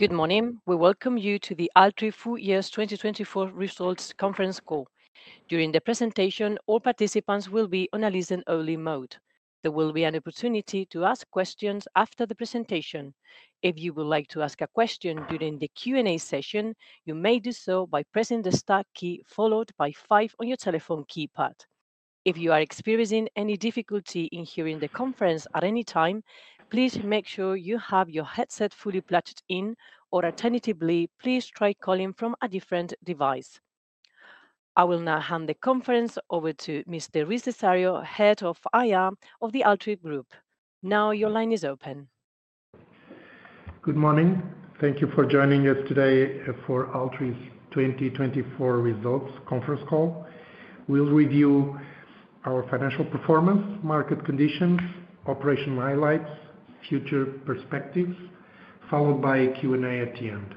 Good morning. We welcome you to the Altri Full Year 2024 Results Conference Call. During the presentation, all participants will be on a listen-only mode. There will be an opportunity to ask questions after the presentation. If you would like to ask a question during the Q&A session, you may do so by pressing the star key followed by five on your telephone keypad. If you are experiencing any difficulty in hearing the conference at any time, please make sure you have your headset fully plugged in, or alternatively, please try calling from a different device. I will now hand the conference over to Mr. Rui Cesário, Head of IR of the Altri Group. Now your line is open. Good morning. Thank you for joining us today for Altri's 2024 Results Conference Call. We will review our financial performance, market conditions, operational highlights, and future perspectives, followed by Q&A at the end.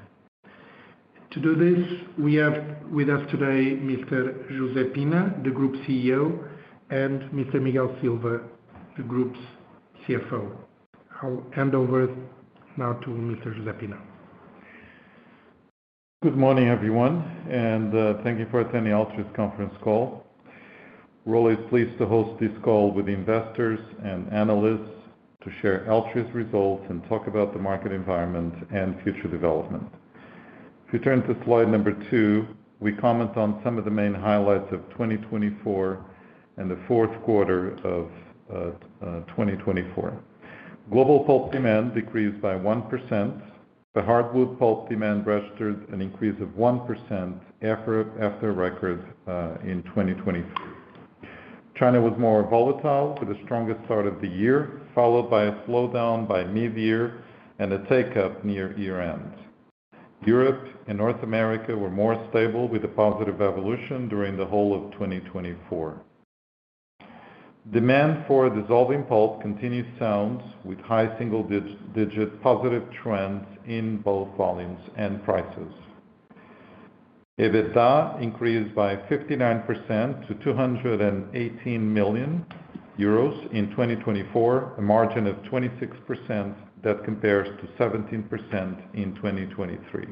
To do this, we have with us today Mr. José Pina, the Group CEO, and Mr. Miguel Silva, the Group's CFO. I will hand over now to Mr. José Pina. Good morning, everyone, and thank you for attending Altri's conference call. Rui is pleased to host this call with investors and analysts to share Altri's results and talk about the market environment and future development. If you turn to slide number two, we comment on some of the main highlights of 2024 and the fourth quarter of 2024. Global pulp demand decreased by 1%. The hardwood pulp demand registered an increase of 1% after record in 2024. China was more volatile with the strongest start of the year, followed by a slowdown by mid-year and a take-up near year-end. Europe and North America were more stable with a positive evolution during the whole of 2024. Demand for dissolving pulp continues to sound with high single-digit positive trends in both volumes and prices. EBITDA increased by 59% to 218 million euros in 2024, a margin of 26% that compares to 17% in 2023.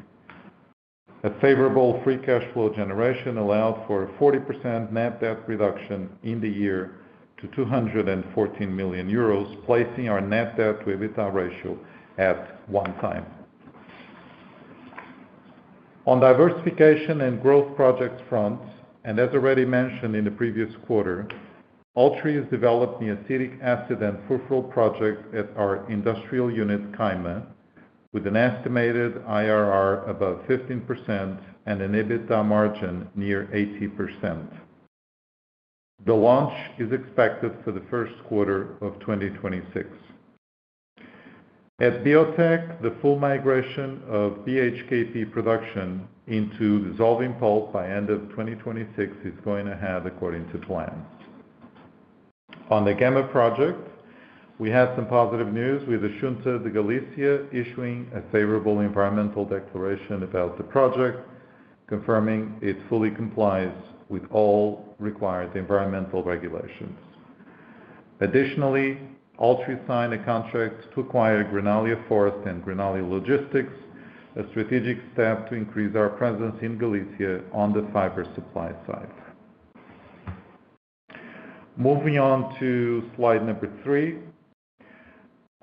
A favorable free cash flow generation allowed for a 40% net debt reduction in the year to 214 million euros, placing our net debt to EBITDA ratio at one time. On diversification and growth projects fronts, and as already mentioned in the previous quarter, Altri has developed the acetic acid and furfural project at our industrial unit, Caima, with an estimated IRR above 15% and an EBITDA margin near 80%. The launch is expected for the first quarter of 2026. At Biotek, the full migration of BHKP production into dissolving pulp by the end of 2026 is going ahead, according to plans. On the Gama project, we have some positive news with A Xunta de Galicia issuing a favorable environmental declaration about the project, confirming it fully complies with all required environmental regulations. Additionally, Altri signed a contract to acquire Greenalia Forest and Greenalia Logistics, a strategic step to increase our presence in Galicia on the fiber supply side. Moving on to slide number three.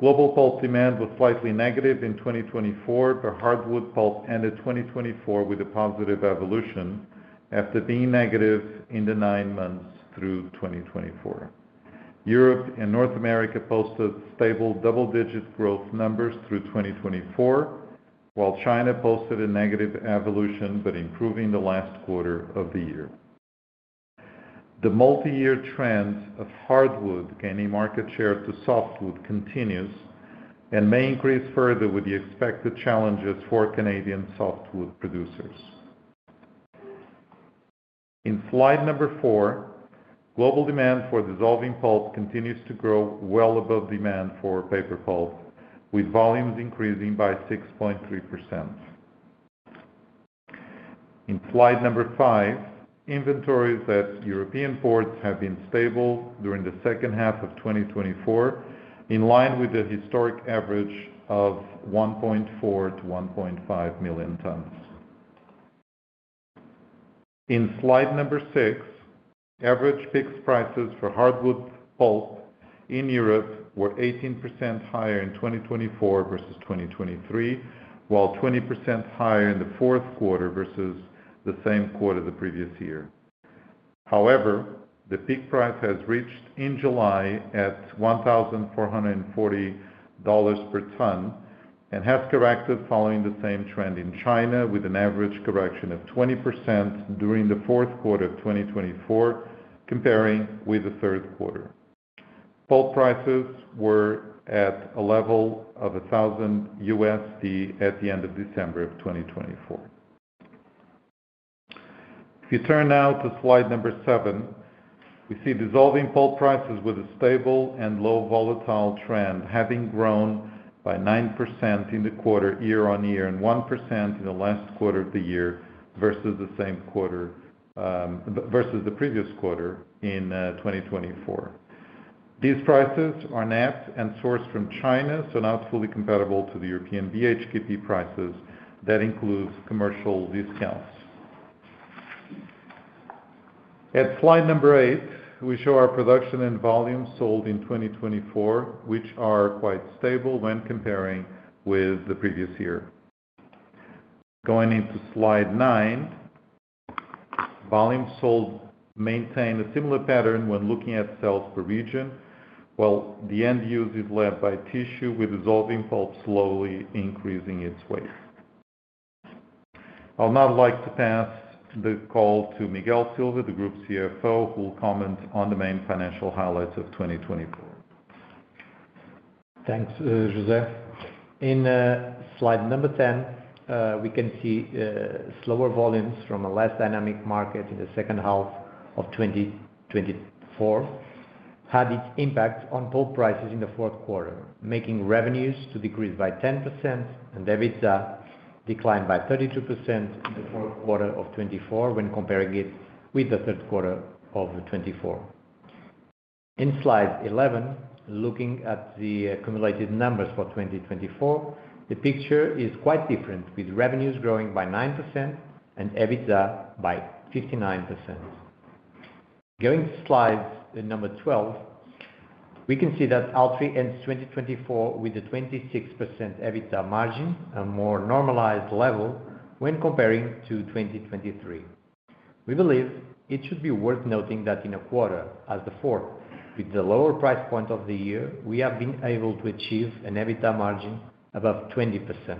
Global pulp demand was slightly negative in 2024, but hardwood pulp ended 2024 with a positive evolution after being negative in the nine months through 2024. Europe and North America posted stable double-digit growth numbers through 2024, while China posted a negative evolution but improving the last quarter of the year. The multi-year trend of hardwood gaining market share to softwood continues and may increase further with the expected challenges for Canadian softwood producers. In slide number four, global demand for dissolving pulp continues to grow well above demand for paper pulp, with volumes increasing by 6.3%. In slide number five, inventories at European ports have been stable during the second half of 2024, in line with the historic average of 1.4 million-1.5 million tons. In slide number six, average PIX prices for hardwood pulp in Europe were 18% higher in 2024 versus 2023, while 20% higher in the fourth quarter versus the same quarter the previous year. However, the peak price was reached in July at $1,440 per ton and has corrected following the same trend in China with an average correction of 20% during the fourth quarter of 2024, compared with the third quarter. Pulp prices were at a level of $1,000 at the end of December of 2024. If you turn now to slide number seven, we see dissolving pulp prices with a stable and low volatile trend, having grown by 9% in the quarter year-on-year and 1% in the last quarter of the year versus the previous quarter in 2024. These prices are net and sourced from China, so not fully comparable to the European BHKP prices that include commercial discounts. At slide number eight, we show our production and volume sold in 2024, which are quite stable when comparing with the previous year. Going into slide nine, volume sold maintained a similar pattern when looking at sales per region, while the end use is led by tissue, with dissolving pulp slowly increasing its weight. I would now like to pass the call to Miguel Silva, the Group CFO, who will comment on the main financial highlights of 2024. Thanks, José. In slide number ten, we can see slower volumes from a less dynamic market in the second half of 2024 had its impact on pulp prices in the fourth quarter, making revenues decrease by 10% and EBITDA decline by 32% in the fourth quarter of 2024 when comparing it with the third quarter of 2024. In slide 11, looking at the accumulated numbers for 2024, the picture is quite different, with revenues growing by 9% and EBITDA by 59%. Going to slide number 12, we can see that Altri ends 2024 with a 26% EBITDA margin, a more normalized level when comparing to 2023. We believe it should be worth noting that in a quarter as the fourth, with the lower price point of the year, we have been able to achieve an EBITDA margin above 20%.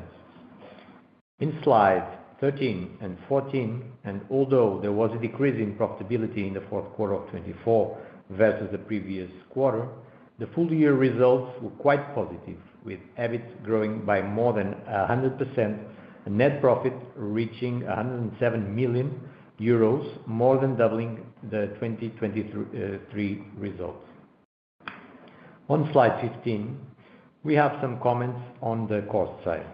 In slides 13 and 14, and although there was a decrease in profitability in the fourth quarter of 2024 versus the previous quarter, the full-year results were quite positive, with EBIT growing by more than 100% and net profit reaching 107 million euros, more than doubling the 2023 results. On slide 15, we have some comments on the cost side.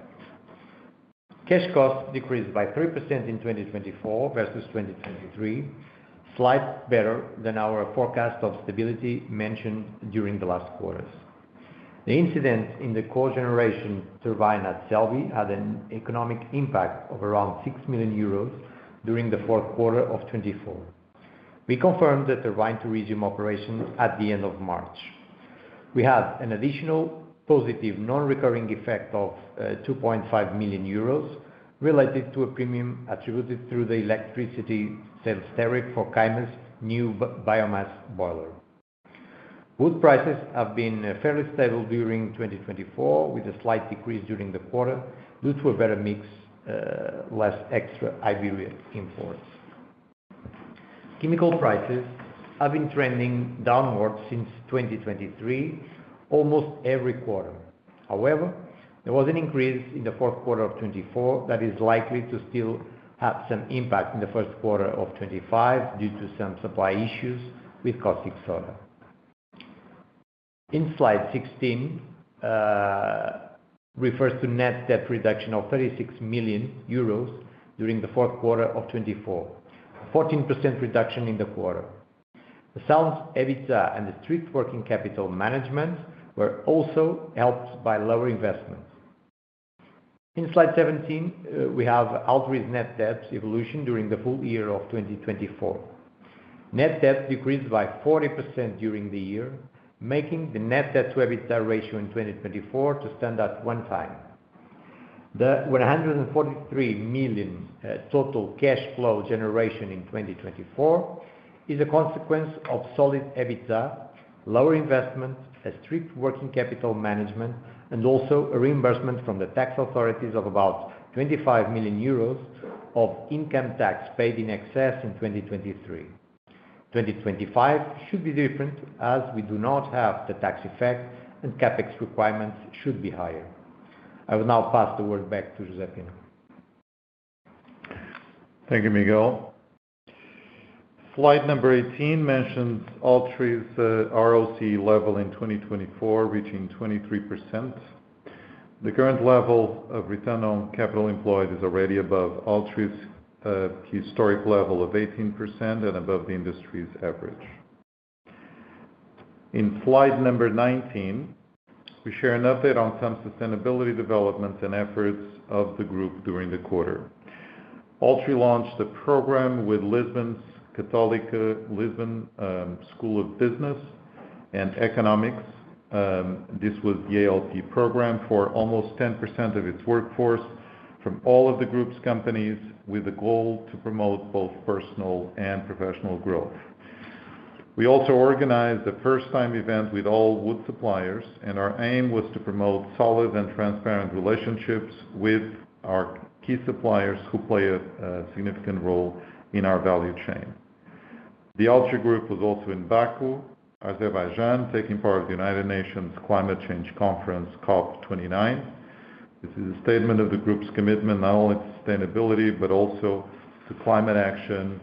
Cash cost decreased by 3% in 2024 versus 2023, slightly better than our forecast of stability mentioned during the last quarters. The incident in the cogeneration turbine at Celbi had an economic impact of around 6 million euros during the fourth quarter of 2024. We confirmed the turbine to resume operation at the end of March. We had an additional positive non-recurring effect of 2.5 million euros related to a premium attributed to the electricity sales tariff for Caima's new biomass boiler. Wood prices have been fairly stable during 2024, with a slight decrease during the quarter due to a better mix, less extra Iberia imports. Chemical prices have been trending downward since 2023, almost every quarter. However, there was an increase in the fourth quarter of 2024 that is likely to still have some impact in the first quarter of 2025 due to some supply issues with caustic soda. In slide 16, it refers to net debt reduction of 36 million euros during the fourth quarter of 2024, a 14% reduction in the quarter. Solid EBITDA and the strict working capital management were also helped by lower investments. In slide 17, we have Altri's net debt evolution during the full year of 2024. Net debt decreased by 40% during the year, making the net debt to EBITDA ratio in 2024 to stand at one time. The 143 million total cash flow generation in 2024 is a consequence of solid EBITDA, lower investment, a strict working capital management, and also a reimbursement from the tax authorities of about 25 million euros of income tax paid in excess in 2023. 2025 should be different as we do not have the tax effect, and CapEx requirements should be higher. I will now pass the word back to José Pina. Thank you, Miguel. Slide number 18 mentions Altri's ROC level in 2024 reaching 23%. The current level of return on capital employed is already above Altri's historic level of 18% and above the industry's average. In slide number 19, we share an update on some sustainability developments and efforts of the group during the quarter. Altri launched a program with Lisbon's Católica Lisbon School of Business and Economics. This was the ALP program for almost 10% of its workforce from all of the group's companies, with a goal to promote both personal and professional growth. We also organized a first-time event with all wood suppliers, and our aim was to promote solid and transparent relationships with our key suppliers who play a significant role in our value chain. The Altri Group was also in Baku, Azerbaijan, taking part in the United Nations Climate Change Conference COP29. This is a statement of the group's commitment not only to sustainability but also to climate action,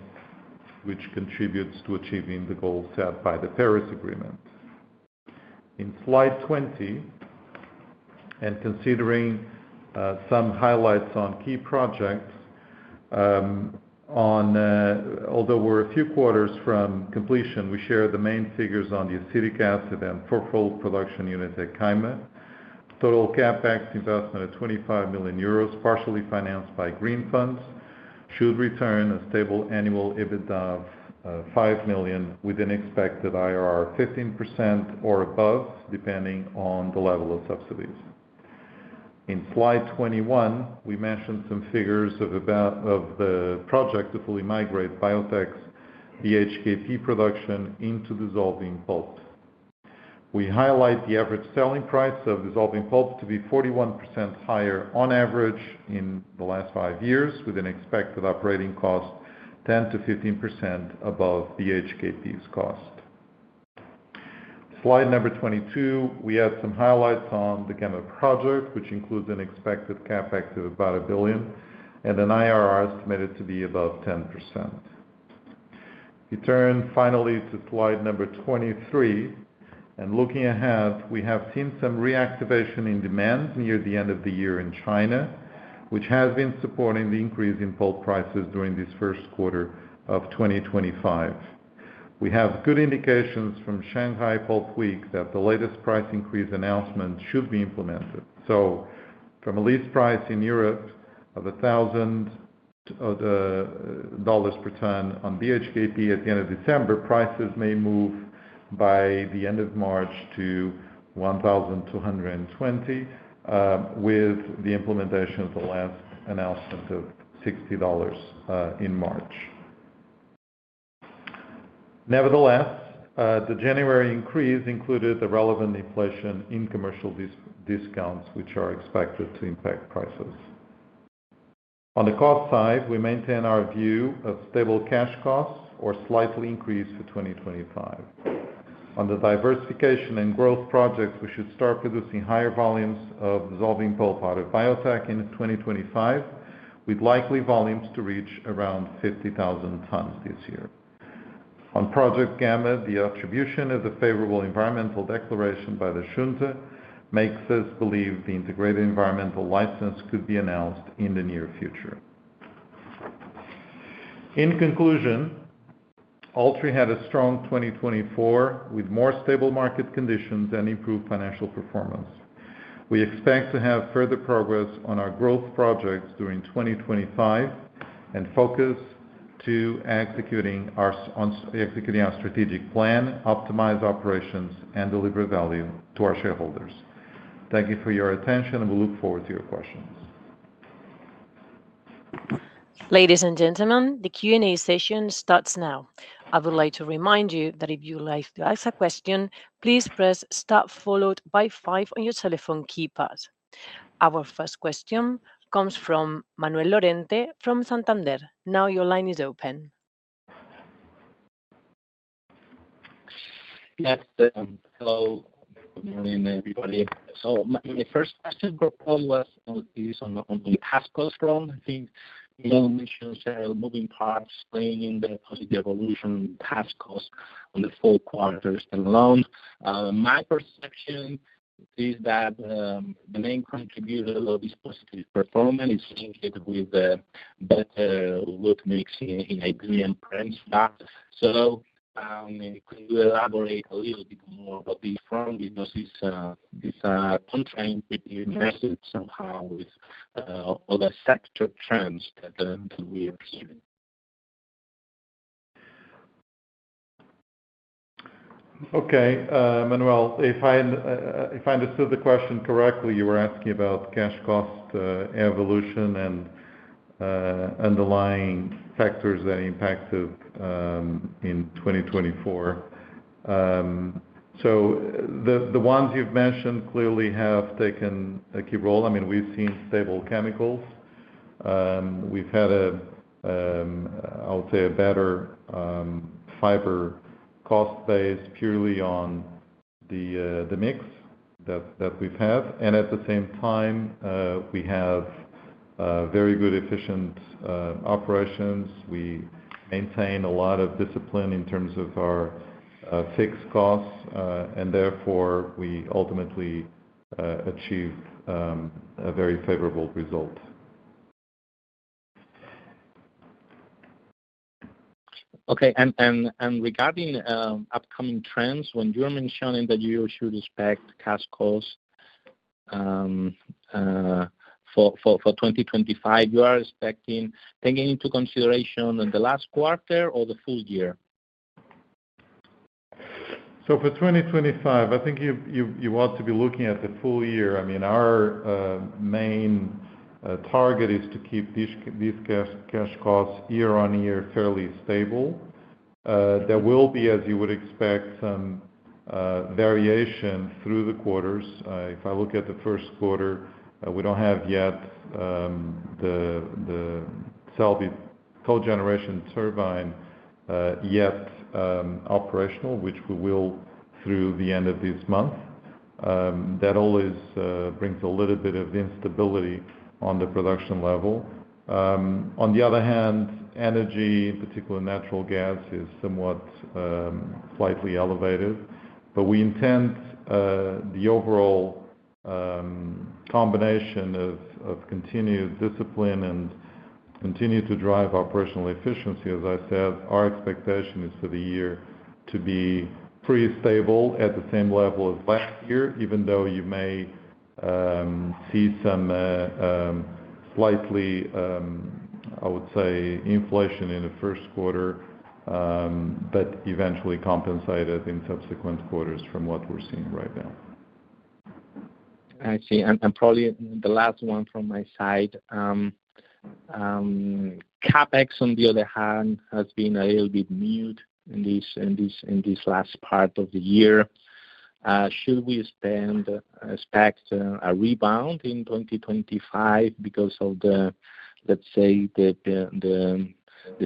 which contributes to achieving the goal set by the Paris Agreement. In slide 20, and considering some highlights on key projects, although we're a few quarters from completion, we share the main figures on the acetic acid and furfural production units at Caima. Total CapEx investment of 25 million euros, partially financed by green funds, should return a stable annual EBITDA of 5 million with an expected IRR of 15% or above, depending on the level of subsidies. In slide 21, we mentioned some figures of the project to fully migrate Biotek's BHKP production into dissolving pulp. We highlight the average selling price of dissolving pulp to be 41% higher on average in the last five years, with an expected operating cost 10%-15% above BHKP's cost. Slide number 22, we add some highlights on the Gama project, which includes an expected CapEx of about 1 billion and an IRR estimated to be above 10%. We turn finally to slide number 23, and looking ahead, we have seen some reactivation in demand near the end of the year in China, which has been supporting the increase in pulp prices during this first quarter of 2025. We have good indications from Shanghai Pulp Week that the latest price increase announcement should be implemented. From a list price in Europe of $1,000 per ton on BHKP at the end of December, prices may move by the end of March to $1,220, with the implementation of the last announcement of $60 in March. Nevertheless, the January increase included the relevant inflation in commercial discounts, which are expected to impact prices. On the cost side, we maintain our view of stable cash costs or slightly increased for 2025. On the diversification and growth projects, we should start producing higher volumes of dissolving pulp out of Biotek in 2025, with likely volumes to reach around 50,000 tons this year. On Project Gama, the attribution of the favorable environmental declaration by the Xunta makes us believe the integrated environmental license could be announced in the near future. In conclusion, Altri had a strong 2024 with more stable market conditions and improved financial performance. We expect to have further progress on our growth projects during 2025 and focus on executing our strategic plan, optimize operations, and deliver value to our shareholders. Thank you for your attention, and we look forward to your questions. Ladies and gentlemen, the Q&A session starts now. I would like to remind you that if you'd like to ask a question, please press star followed by five on your telephone keypad. Our first question comes from Manuel Lorente from Santander. Now your line is open. Yes, hello, good morning, everybody. My first question was on the cash costs front. I think Miguel mentioned moving parts, explaining the positive evolution, cash costs on the four quarters alone. My perception is that the main contributor of this positive performance is linked with the better wood mix in Iberian Peninsula. Could you elaborate a little bit more about this front because it's contradicting somehow with other sector trends that we are seeing? Okay, Manuel, if I understood the question correctly, you were asking about cash cost evolution and underlying factors that impacted in 2024. The ones you've mentioned clearly have taken a key role. I mean, we've seen stable chemicals. We've had, I would say, a better fiber cost base purely on the mix that we've had. At the same time, we have very good efficient operations. We maintain a lot of discipline in terms of our fixed costs, and therefore we ultimately achieve a very favorable result. Okay, and regarding upcoming trends, when you're mentioning that you should expect cash costs for 2025, you are expecting taking into consideration the last quarter or the full year? For 2025, I think you ought to be looking at the full year. I mean, our main target is to keep these cash costs year-on-year fairly stable. There will be, as you would expect, some variation through the quarters. If I look at the first quarter, we do not have yet the Celbi generation turbine yet operational, which we will through the end of this month. That always brings a little bit of instability on the production level. On the other hand, energy, particularly natural gas, is somewhat slightly elevated. We intend the overall combination of continued discipline and continued to drive operational efficiency. As I said, our expectation is for the year to be pretty stable at the same level as last year, even though you may see some slightly, I would say, inflation in the first quarter, but eventually compensated in subsequent quarters from what we're seeing right now. I see. Probably the last one from my side, CapEx, on the other hand, has been a little bit mute in this last part of the year. Should we expect a rebound in 2025 because of the, let's say, the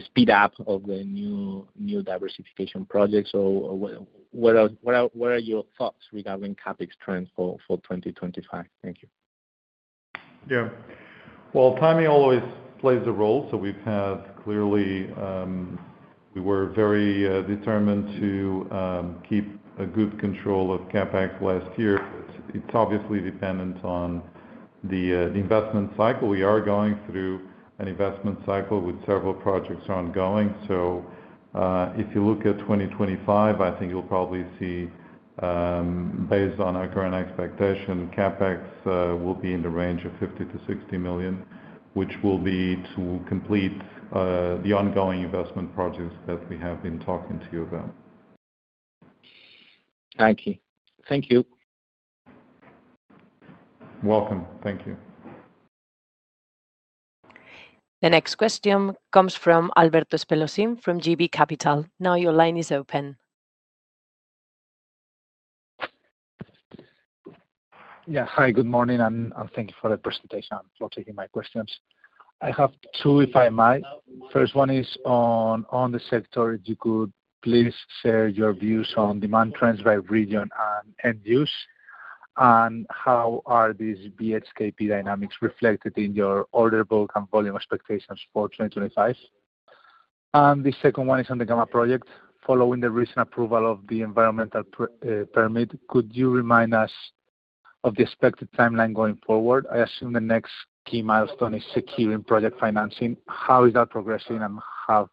speed up of the new diversification projects? What are your thoughts regarding CapEx trends for 2025? Thank you. Yeah. Timing always plays a role. We were very determined to keep good control of CapEx last year. It is obviously dependent on the investment cycle. We are going through an investment cycle with several projects ongoing. If you look at 2025, I think you will probably see, based on our current expectation, CapEx will be in the range of 50 million-60 million, which will be to complete the ongoing investment projects that we have been talking to you about. Thank you. Thank you. Welcome. Thank you. The next question comes from Alberto Espelosín from JB Capital. Now your line is open. Yeah, hi, good morning, and thank you for the presentation. Thank you for taking my questions. I have two, if I may. First one is on the sector. If you could please share your views on demand trends by region and end use, and how are these BHKP dynamics reflected in your order book and volume expectations for 2025? The second one is on the Gama project. Following the recent approval of the environmental permit, could you remind us of the expected timeline going forward? I assume the next key milestone is securing project financing. How is that progressing, and have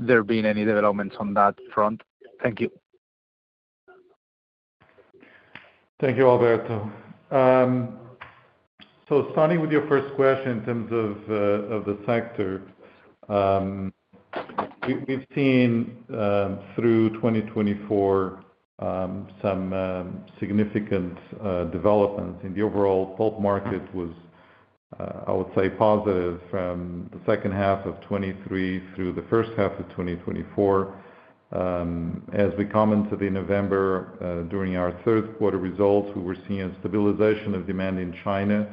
there been any developments on that front? Thank you. Thank you, Alberto. Starting with your first question in terms of the sector, we've seen through 2024 some significant developments in the overall pulp market, which was, I would say, positive from the second half of 2023 through the first half of 2024. As we commented in November during our third quarter results, we were seeing a stabilization of demand in China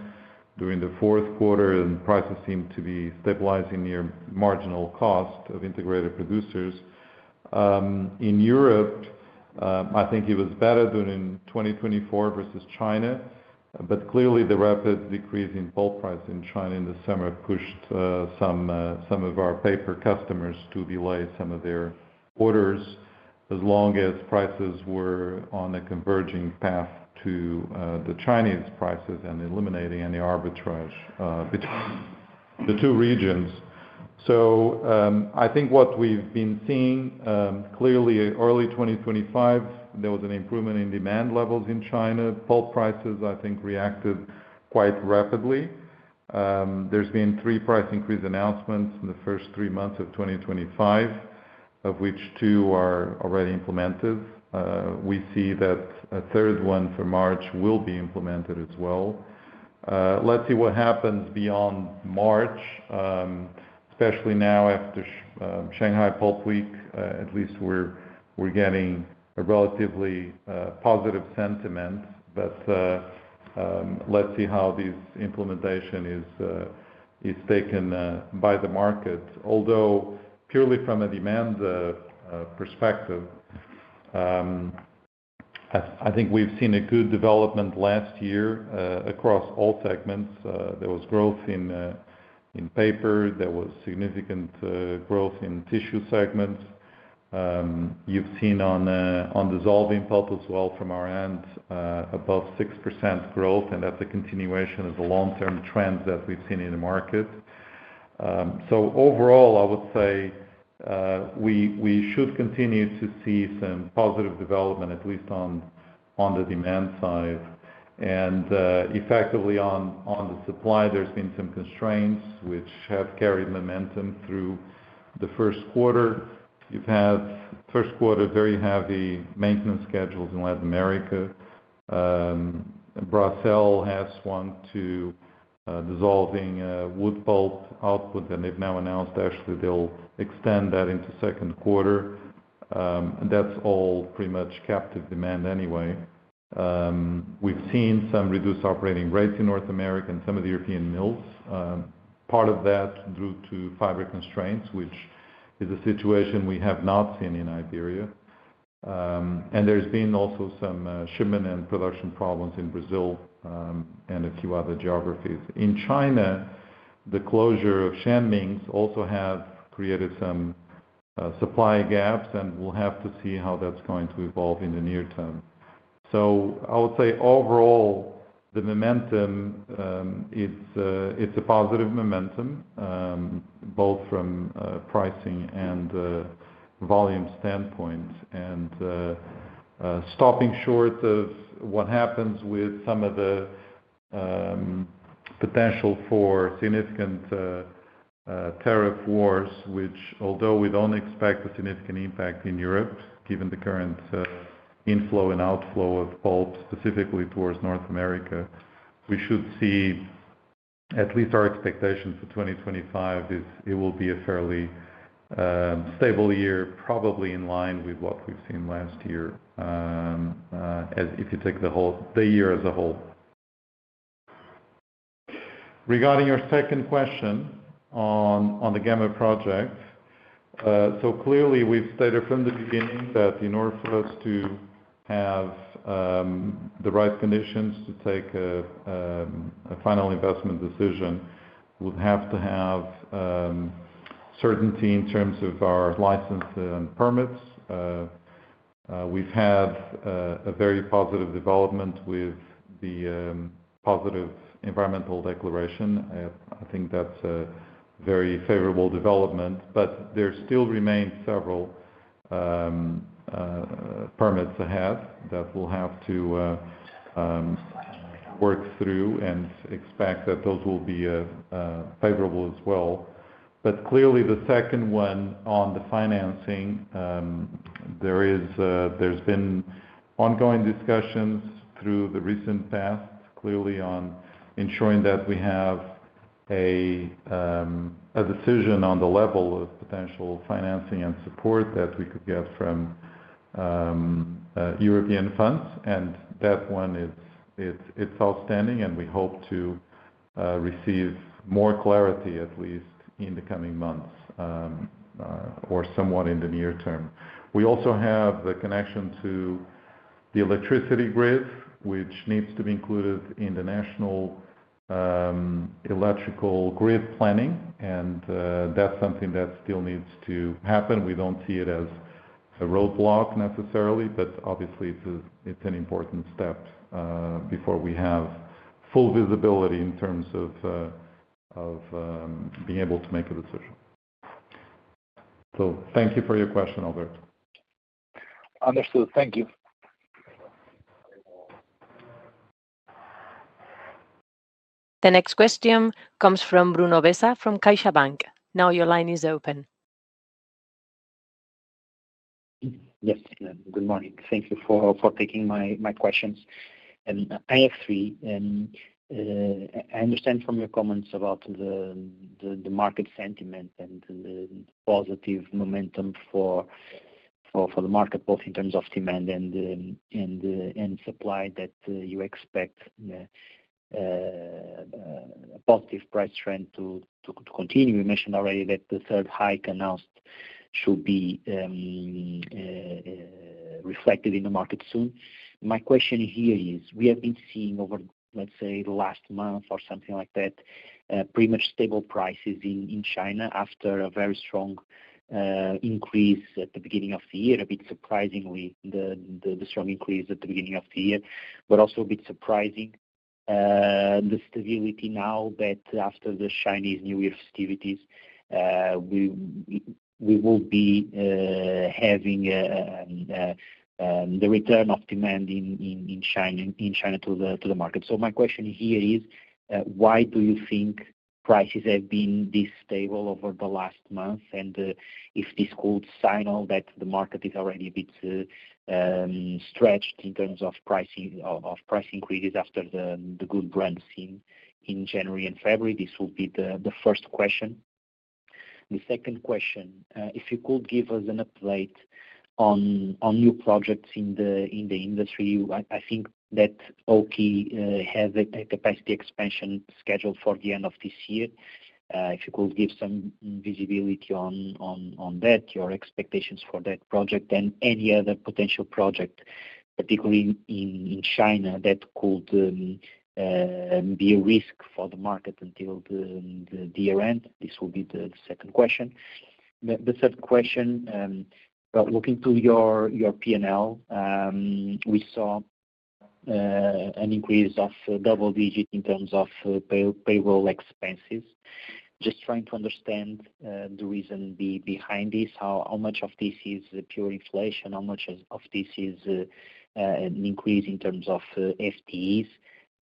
during the fourth quarter, and prices seemed to be stabilizing near marginal cost of integrated producers. In Europe, I think it was better in 2024 versus China, but clearly the rapid decrease in pulp price in China in the summer pushed some of our paper customers to delay some of their orders as long as prices were on a converging path to the Chinese prices and eliminating any arbitrage between the two regions. I think what we've been seeing clearly, early 2025, there was an improvement in demand levels in China. Pulp prices, I think, reacted quite rapidly. There's been three price increase announcements in the first three months of 2025, of which two are already implemented. We see that a third one for March will be implemented as well. Let's see what happens beyond March, especially now after Shanghai Pulp Week. At least we're getting a relatively positive sentiment, but let's see how this implementation is taken by the market. Although purely from a demand perspective, I think we've seen a good development last year across all segments. There was growth in paper. There was significant growth in tissue segments. You've seen on dissolving pulp as well from our end, above 6% growth, and that's a continuation of the long-term trends that we've seen in the market. Overall, I would say we should continue to see some positive development, at least on the demand side. Effectively on the supply, there have been some constraints which have carried momentum through the first quarter. You have had first quarter very heavy maintenance schedules in Latin America. Bracell has swung to dissolving wood pulp output, and they have now announced actually they will extend that into the second quarter. That is all pretty much captive demand anyway. We have seen some reduced operating rates in North America and some of the European mills. Part of that is due to fiber constraints, which is a situation we have not seen in Iberia. There have also been some shipment and production problems in Brazil and a few other geographies. In China, the closure of Chenming Paper also has created some supply gaps, and we will have to see how that is going to evolve in the near term. I would say overall, the momentum is a positive momentum, both from pricing and volume standpoint, and stopping short of what happens with some of the potential for significant tariff wars, which although we do not expect a significant impact in Europe, given the current inflow and outflow of pulp specifically towards North America, we should see at least our expectation for 2025 is it will be a fairly stable year, probably in line with what we have seen last year, if you take the year as a whole. Regarding your second question on the Gama project, clearly we have stated from the beginning that in order for us to have the right conditions to take a final investment decision, we would have to have certainty in terms of our license and permits. We have had a very positive development with the positive environmental declaration. I think that's a very favorable development, but there still remain several permits ahead that we'll have to work through and expect that those will be favorable as well. Clearly, the second one on the financing, there's been ongoing discussions through the recent past, clearly on ensuring that we have a decision on the level of potential financing and support that we could get from European funds. That one is outstanding, and we hope to receive more clarity, at least in the coming months or somewhat in the near term. We also have the connection to the electricity grid, which needs to be included in the national electrical grid planning, and that's something that still needs to happen. We don't see it as a roadblock necessarily, but obviously it's an important step before we have full visibility in terms of being able to make a decision. Thank you for your question, Alberto. Understood. Thank you. The next question comes from Bruno Bessa from CaixaBank. Now your line is open. Yes, good morning. Thank you for taking my questions. I have three. I understand from your comments about the market sentiment and the positive momentum for the market, both in terms of demand and supply, that you expect a positive price trend to continue. You mentioned already that the third hike announced should be reflected in the market soon. My question here is, we have been seeing over, let's say, the last month or something like that, pretty much stable prices in China after a very strong increase at the beginning of the year, a bit surprisingly, the strong increase at the beginning of the year, but also a bit surprising, the stability now that after the Chinese New Year festivities, we will be having the return of demand in China to the market. My question here is, why do you think prices have been this stable over the last month? If this could signal that the market is already a bit stretched in terms of price increases after the good brand seen in January and February, this would be the first question. The second question, if you could give us an update on new projects in the industry, I think that OKI has a capacity expansion scheduled for the end of this year. If you could give some visibility on that, your expectations for that project, and any other potential project, particularly in China, that could be a risk for the market until the year end, this would be the second question. The third question, looking to your P&L, we saw an increase of double digit in terms of payroll expenses. Just trying to understand the reason behind this, how much of this is pure inflation, how much of this is an increase in terms of FTEs,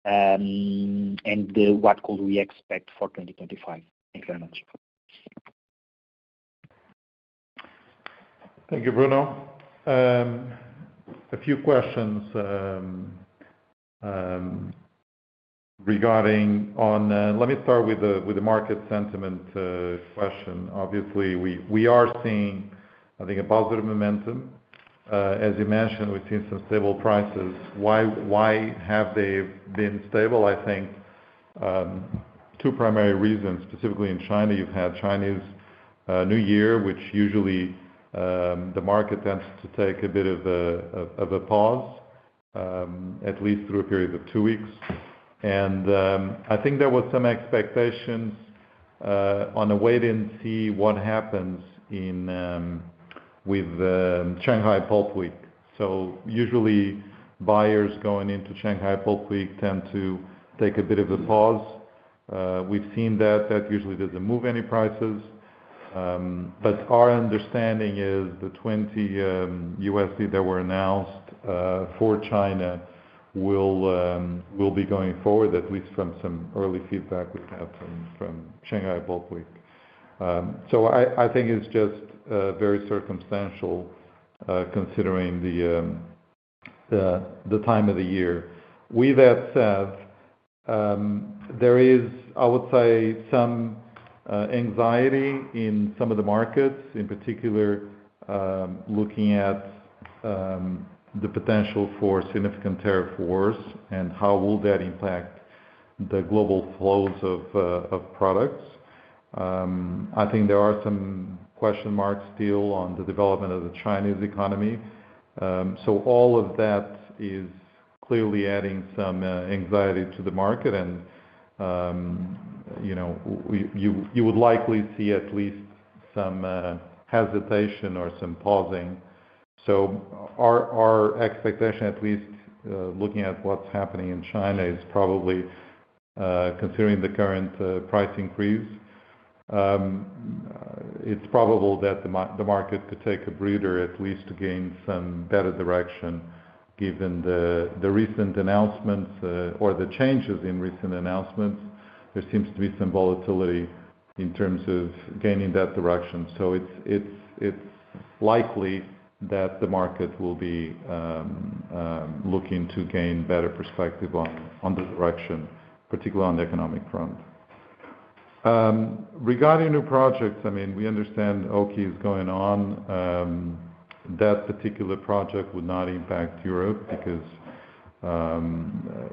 and what could we expect for 2025. Thank you very much. Thank you, Bruno. A few questions regarding, let me start with the market sentiment question. Obviously, we are seeing, I think, a positive momentum. As you mentioned, we've seen some stable prices. Why have they been stable? I think two primary reasons, specifically in China, you've had Chinese New Year, which usually the market tends to take a bit of a pause, at least through a period of two weeks. I think there were some expectations on a wait and see what happens with Shanghai Pulp Week. Usually buyers going into Shanghai Pulp Week tend to take a bit of a pause. We've seen that. That usually does not move any prices. Our understanding is the $20 that were announced for China will be going forward, at least from some early feedback we've had from Shanghai Pulp Week. I think it's just very circumstantial considering the time of the year. With that said, there is, I would say, some anxiety in some of the markets, in particular looking at the potential for significant tariff wars and how will that impact the global flows of products. I think there are some question marks still on the development of the Chinese economy. All of that is clearly adding some anxiety to the market, and you would likely see at least some hesitation or some pausing. Our expectation, at least looking at what's happening in China, is probably considering the current price increase, it's probable that the market could take a breather at least to gain some better direction. Given the recent announcements or the changes in recent announcements, there seems to be some volatility in terms of gaining that direction. It is likely that the market will be looking to gain better perspective on the direction, particularly on the economic front. Regarding new projects, I mean, we understand OKI is going on. That particular project would not impact Europe because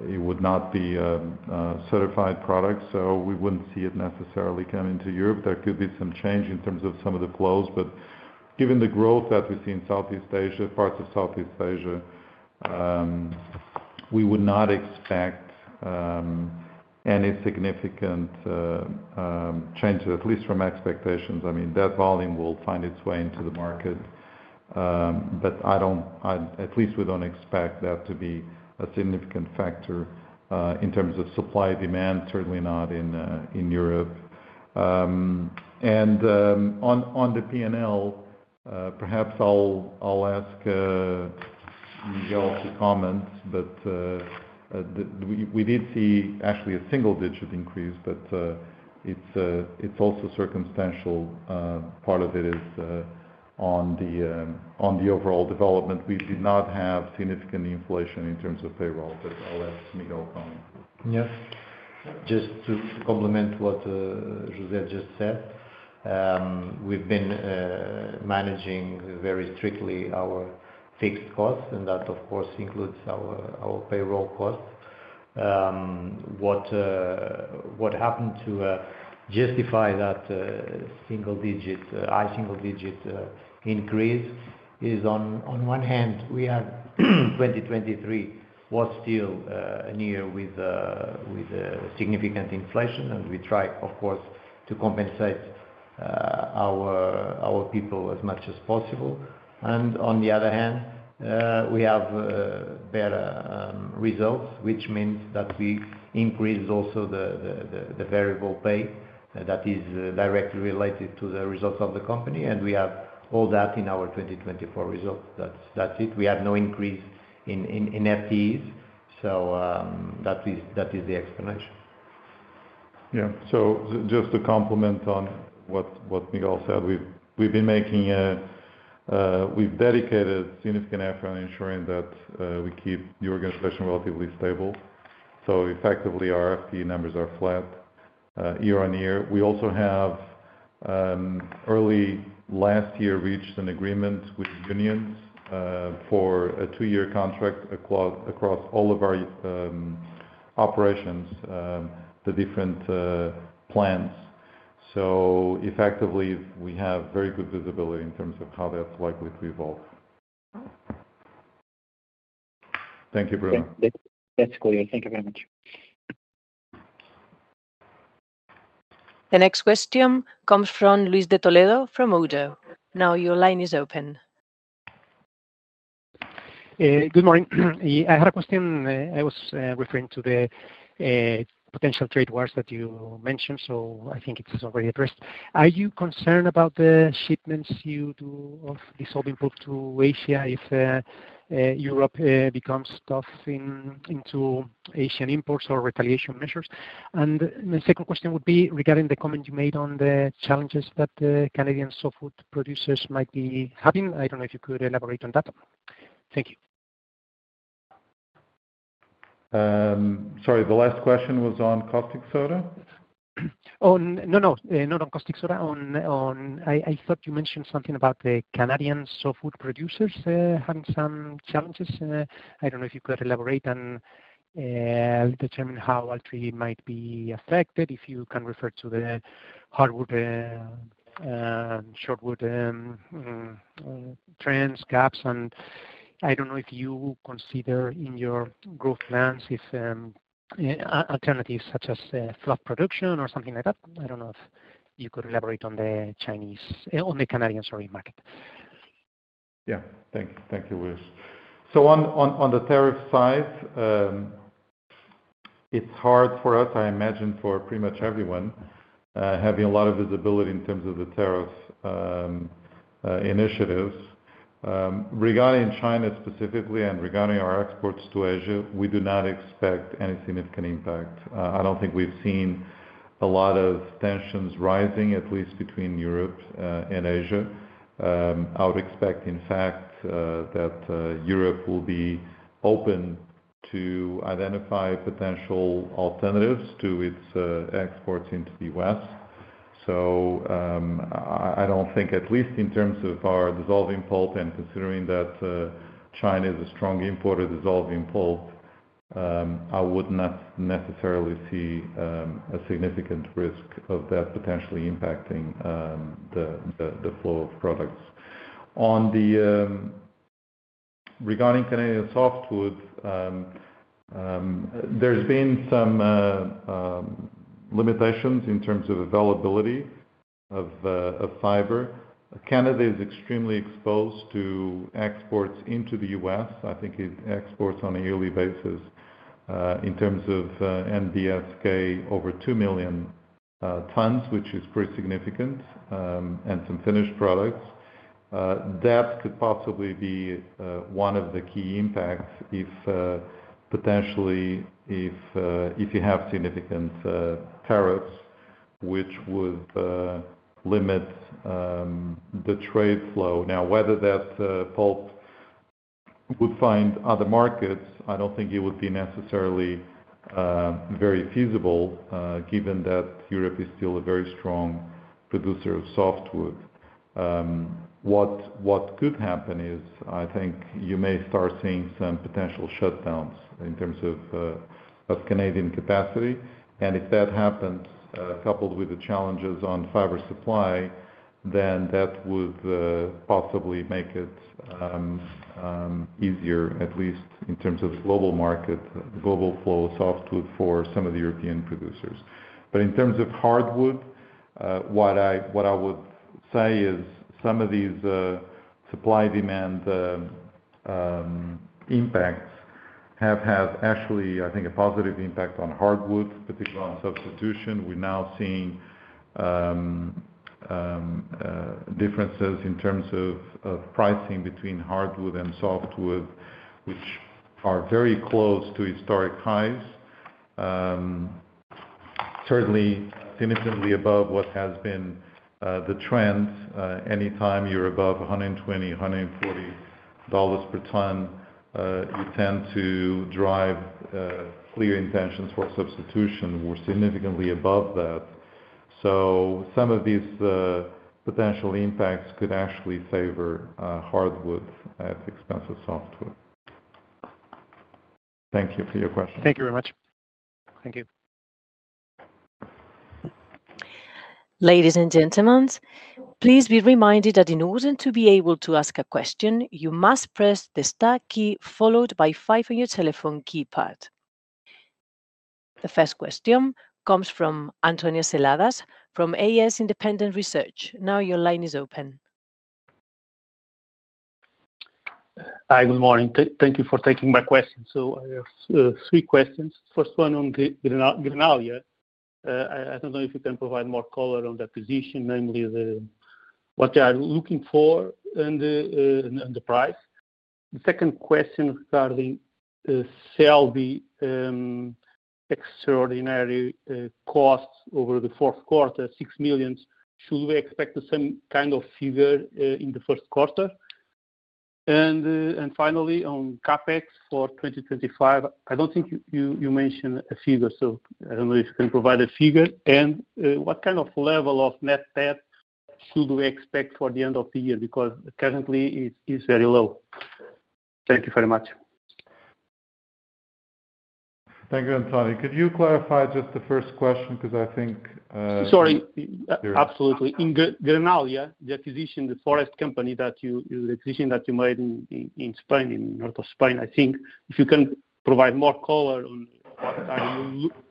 it would not be a certified product, so we would not see it necessarily come into Europe. There could be some change in terms of some of the flows, but given the growth that we see in Southeast Asia, parts of Southeast Asia, we would not expect any significant change, at least from expectations. I mean, that volume will find its way into the market, but at least we do not expect that to be a significant factor in terms of supply demand, certainly not in Europe. On the P&L, perhaps I will ask Miguel to comment, but we did see actually a single-digit increase, but it is also circumstantial. Part of it is on the overall development. We did not have significant inflation in terms of payroll, but I'll ask Miguel comment. Yes. Just to complement what José just said, we've been managing very strictly our fixed costs, and that, of course, includes our payroll costs. What happened to justify that high single-digit increase is, on one hand, 2023 was still a year with significant inflation, and we try, of course, to compensate our people as much as possible. On the other hand, we have better results, which means that we increased also the variable pay that is directly related to the results of the company, and we have all that in our 2024 results. That is it. We have no increase in FTEs, so that is the explanation. Yeah. Just to complement on what Miguel said, we've been making a—we've dedicated significant effort in ensuring that we keep the organization relatively stable. Effectively, our FTE numbers are flat year-on-year. We also have, early last year, reached an agreement with unions for a two-year contract across all of our operations, the different plants. Effectively, we have very good visibility in terms of how that's likely to evolve. Thank you, Bruno. Thank you, Bruno Bessa. Cordier, thank you very much. The next question comes from Luis de Toledo from ODDO. Now your line is open. Good morning. I had a question. I was referring to the potential trade wars that you mentioned, so I think it's already addressed. Are you concerned about the shipments you do of this open port to Asia if Europe becomes tough into Asian imports or retaliation measures? My second question would be regarding the comment you made on the challenges that the Canadian softwood producers might be having. I don't know if you could elaborate on that. Thank you. Sorry, the last question was on caustic soda? Oh, no, no. Not on caustic soda. I thought you mentioned something about the Canadian softwood producers having some challenges. I do not know if you could elaborate and determine how it might be affected if you can refer to the hardwood, shortwood trends, gaps. I do not know if you consider in your growth plans alternatives such as fluff production or something like that. I do not know if you could elaborate on the Chinese, on the Canadian, sorry, market. Yeah. Thank you, Luis. On the tariff side, it's hard for us, I imagine, for pretty much everyone, having a lot of visibility in terms of the tariff initiatives. Regarding China specifically and regarding our exports to Asia, we do not expect any significant impact. I don't think we've seen a lot of tensions rising, at least between Europe and Asia. I would expect, in fact, that Europe will be open to identify potential alternatives to its exports into the West. I don't think, at least in terms of our dissolving pulp and considering that China is a strong importer, dissolving pulp, I would not necessarily see a significant risk of that potentially impacting the flow of products. Regarding Canadian softwood, there's been some limitations in terms of availability of fiber. Canada is extremely exposed to exports into the U.S. I think it exports on a yearly basis in terms of NBSK over 2 million tons, which is pretty significant, and some finished products. That could possibly be one of the key impacts potentially if you have significant tariffs, which would limit the trade flow. Now, whether that pulp would find other markets, I do not think it would be necessarily very feasible given that Europe is still a very strong producer of softwood. What could happen is, I think you may start seeing some potential shutdowns in terms of Canadian capacity. If that happens, coupled with the challenges on fiber supply, then that would possibly make it easier, at least in terms of global market, global flow of softwood for some of the European producers. In terms of hardwood, what I would say is some of these supply-demand impacts have had actually, I think, a positive impact on hardwood, particularly on substitution. We're now seeing differences in terms of pricing between hardwood and softwood, which are very close to historic highs. Certainly, significantly above what has been the trend. Anytime you're above $120-$140 per ton, you tend to drive clear intentions for substitution. We're significantly above that. Some of these potential impacts could actually favor hardwood at the expense of softwood. Thank you for your question. Thank you very much. Thank you. Ladies and gentlemen, please be reminded that in order to be able to ask a question, you must press the star key followed by five on your telephone keypad. The first question comes from António Seladas from AS Independent Research. Now your line is open. Hi, good morning. Thank you for taking my question. I have three questions. First one on Greenalia. I do not know if you can provide more color on the acquisition, namely what they are looking for and the price. The second question regarding Celbi extraordinary costs over the fourth quarter, 6 million. Should we expect the same kind of figure in the first quarter? Finally, on CapEx for 2025, I do not think you mentioned a figure, so I do not know if you can provide a figure. What kind of level of net debt should we expect for the end of the year? Because currently, it is very low. Thank you very much. Thank you, Antonio. Could you clarify just the first question because I think. Sorry. Absolutely. In Greenalia, the acquisition, the forest company that you, the acquisition that you made in Spain, in north of Spain, I think, if you can provide more color on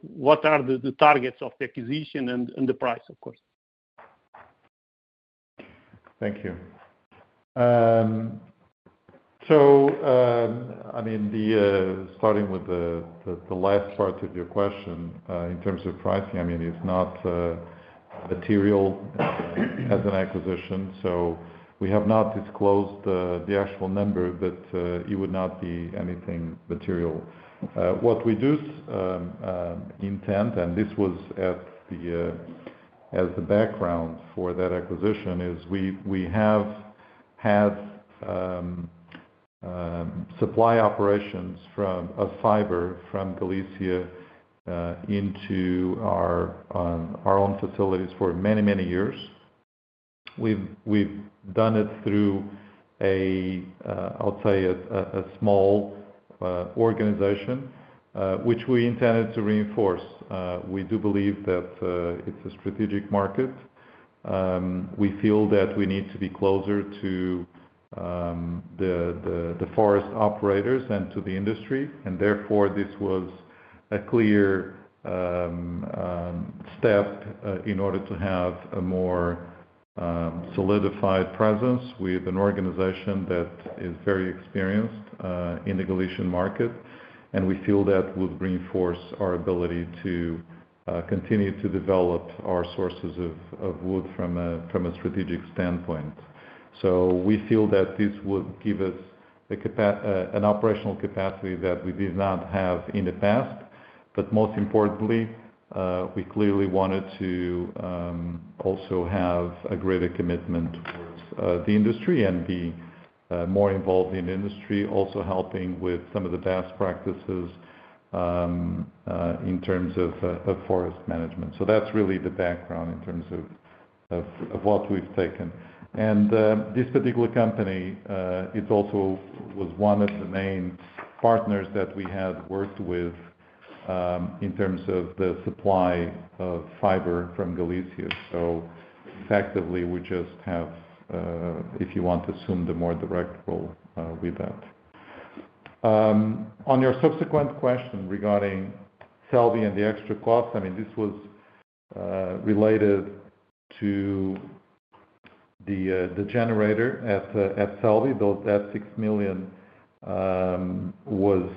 what are the targets of the acquisition and the price, of course. Thank you. I mean, starting with the last part of your question, in terms of pricing, I mean, it's not material as an acquisition. We have not disclosed the actual number, but it would not be anything material. What we do intend, and this was as the background for that acquisition, is we have had supply operations of fiber from Galicia into our own facilities for many, many years. We've done it through, I'll say, a small organization, which we intended to reinforce. We do believe that it's a strategic market. We feel that we need to be closer to the forest operators and to the industry. Therefore, this was a clear step in order to have a more solidified presence with an organization that is very experienced in the Galician market. We feel that would reinforce our ability to continue to develop our sources of wood from a strategic standpoint. We feel that this would give us an operational capacity that we did not have in the past. Most importantly, we clearly wanted to also have a greater commitment towards the industry and be more involved in the industry, also helping with some of the best practices in terms of forest management. That is really the background in terms of what we have taken. This particular company also was one of the main partners that we had worked with in terms of the supply of fiber from Galicia. Effectively, we just have, if you want, to assume the more direct role with that. On your subsequent question regarding Celbi and the extra costs, I mean, this was related to the generator at Celbi. Those EUR 6 million was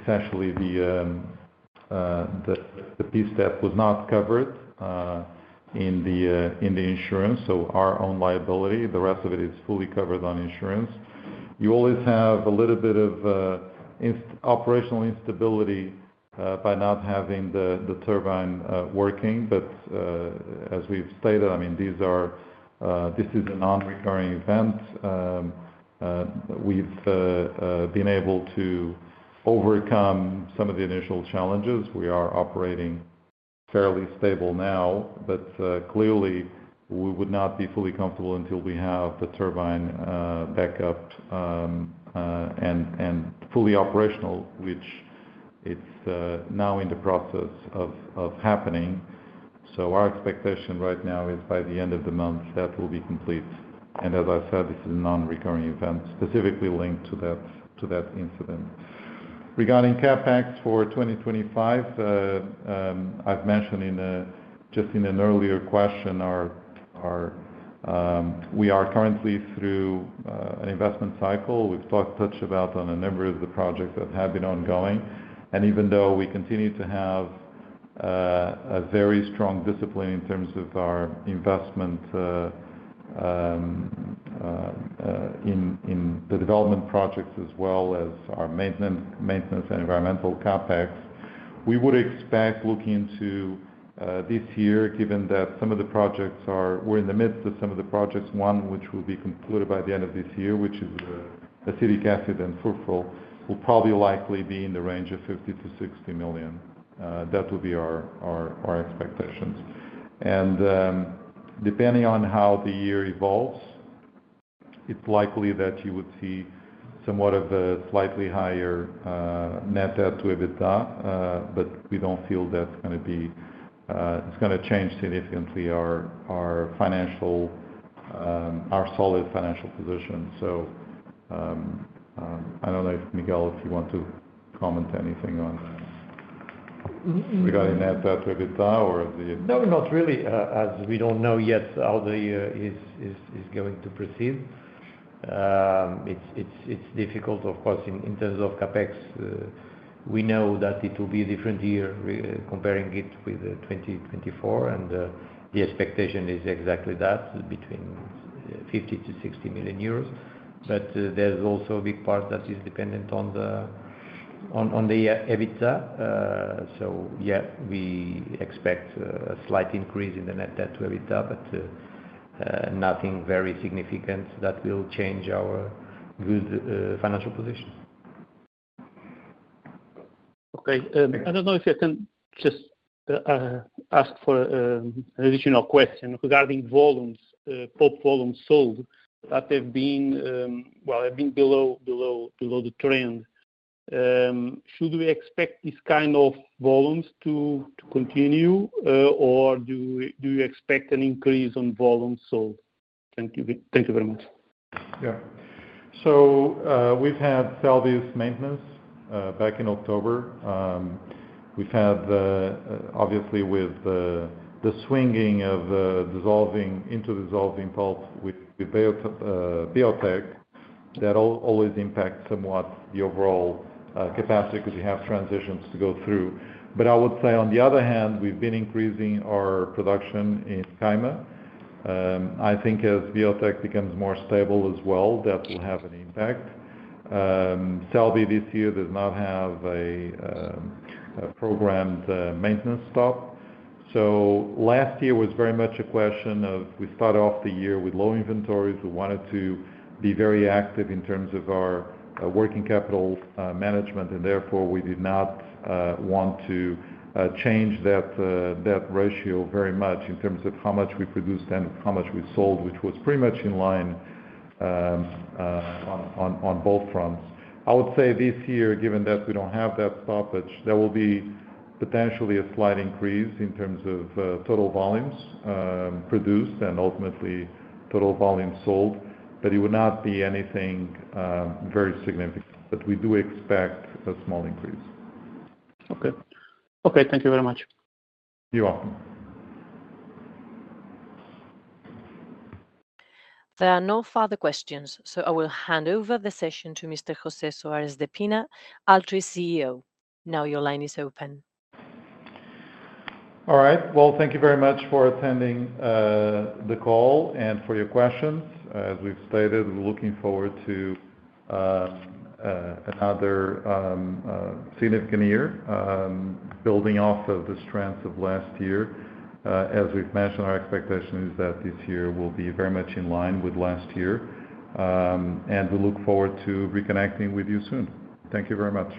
essentially the piece that was not covered in the insurance, so our own liability. The rest of it is fully covered on insurance. You always have a little bit of operational instability by not having the turbine working. As we've stated, I mean, this is a non-recurring event. We've been able to overcome some of the initial challenges. We are operating fairly stable now, but clearly, we would not be fully comfortable until we have the turbine backup and fully operational, which it's now in the process of happening. Our expectation right now is by the end of the month that will be complete. As I said, this is a non-recurring event specifically linked to that incident. Regarding CapEx for 2025, I've mentioned just in an earlier question, we are currently through an investment cycle. We've talked about a number of the projects that have been ongoing. Even though we continue to have a very strong discipline in terms of our investment in the development projects as well as our maintenance and environmental CapEx, we would expect looking into this year, given that we are in the midst of some of the projects, one of which will be completed by the end of this year, which is acetic acid and furfural, will probably likely be in the range of 50 million-60 million. That would be our expectations. Depending on how the year evolves, it's likely that you would see somewhat of a slightly higher net debt to EBITDA, but we don't feel that's going to change significantly our solid financial position. I don't know, Miguel, if you want to comment anything on regarding net debt to EBITDA or the. No, not really. As we do not know yet how the year is going to proceed. It is difficult, of course, in terms of CapEx. We know that it will be a different year comparing it with 2024, and the expectation is exactly that, between 50 million-60 million euros. There is also a big part that is dependent on the EBITDA. Yeah, we expect a slight increase in the net debt to EBITDA, but nothing very significant that will change our good financial position. Okay. I do not know if I can just ask for an additional question regarding volumes, bulk volumes sold that have been, well, have been below the trend. Should we expect this kind of volumes to continue, or do you expect an increase on volumes sold? Thank you very much. Yeah. We have had Celbi's maintenance back in October. We have had, obviously, with the swinging of dissolving into dissolving pulp with Biotek, that always impacts somewhat the overall capacity because you have transitions to go through. I would say, on the other hand, we have been increasing our production in Caima. I think as Biotek becomes more stable as well, that will have an impact. Celbi this year does not have a programmed maintenance stop. Last year was very much a question of we started off the year with low inventories. We wanted to be very active in terms of our working capital management, and therefore, we did not want to change that ratio very much in terms of how much we produced and how much we sold, which was pretty much in line on both fronts. I would say this year, given that we do not have that stoppage, there will be potentially a slight increase in terms of total volumes produced and ultimately total volumes sold, but it would not be anything very significant. We do expect a small increase. Okay. Okay. Thank you very much. You're welcome. There are no further questions, so I will hand over the session to Mr. José Soares de Pina, Altri CEO. Now your line is open. All right. Thank you very much for attending the call and for your questions. As we've stated, we are looking forward to another significant year, building off of the strengths of last year. As we've mentioned, our expectation is that this year will be very much in line with last year. We look forward to reconnecting with you soon. Thank you very much.